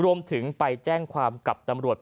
รวมถึงไปแจ้งความกับตำรวจ